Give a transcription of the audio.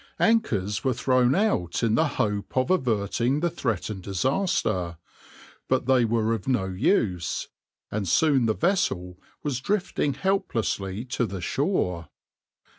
Anchors were thrown out in the hope of averting the threatened disaster, but they were of no use, and soon the vessel was drifting helplessly to the shore.